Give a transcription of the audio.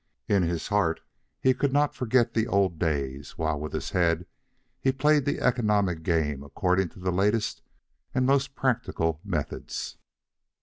In his heart he could not forget the old days, while with his head he played the economic game according to the latest and most practical methods.